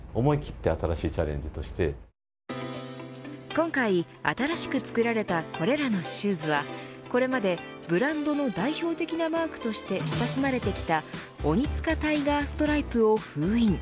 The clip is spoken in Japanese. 今回、新しく作られたこれらのシューズはこれまで、ブランドの代表的なマークとして親しまれてきたオニツカタイガーストライプを封印。